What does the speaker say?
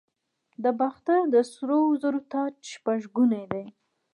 د باختر د سرو زرو تاج شپږ ګونی دی